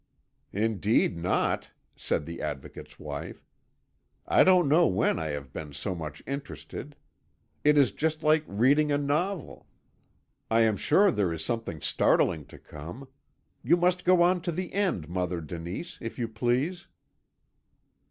"Indeed not," said the Advocate's wife; "I don't know when I have been so much interested. It is just like reading a novel. I am sure there is something startling to come. You must go on to the end, Mother Denise, if you please."